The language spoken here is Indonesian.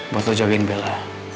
buat lo jagain bella